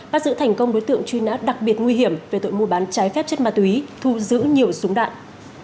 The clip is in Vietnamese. bắt giữ thành công đối tượng truy nã đặc biệt nguy hiểm về tội mua bán trái phép chất ma túy thu giữ nhiều súng đạn